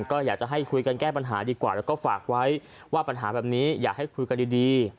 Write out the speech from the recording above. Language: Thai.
ก็อยากจะให้คุยกันแก้ปัญหาดีกว่าแล้วก็ฝากไว้ว่าปัญหาแบบนี้อยากให้คุยกันดี